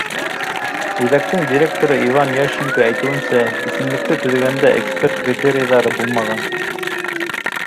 Үҙәктең директоры Иван Ященко әйтеүенсә, исемлекте төҙөгәндә эксперт критерийҙары булмаған.